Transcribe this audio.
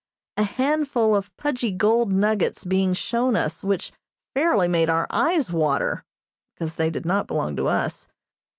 a handful of pudgy gold nuggets being shown us which fairly made our eyes water (because they did not belong to us).